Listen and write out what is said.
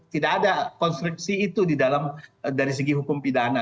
tidak ada konstruksi itu di dalam dari segi hukum pidana